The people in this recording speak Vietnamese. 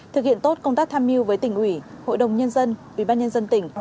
thực hiện tốt công tác tham mưu với tỉnh ủy hội đồng nhân dân ủy ban nhân dân tỉnh